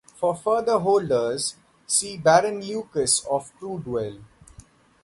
"For further holders see Baron Lucas of Crudwell"